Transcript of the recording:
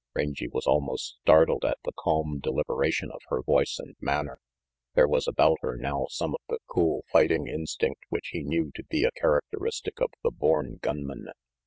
Rangy was almost startled at the calm deliberation of her voice and manner. There was about her now some of the cool fighting instinct which he knew to be a characteristic of the born gunman.